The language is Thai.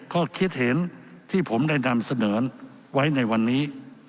ข้อคิดเห็นที่ผมได้นำเสนอไว้ในวันนี้